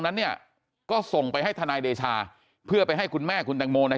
นั้นเนี่ยก็ส่งไปให้ทนายเดชาเพื่อไปให้คุณแม่คุณแตงโมใน